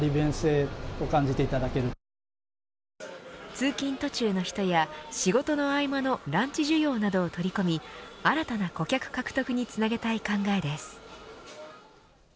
通勤途中の人や仕事の合間のランチ需要などを取り込み新たな顧客獲得につなげたい考えです。